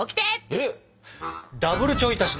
えっ？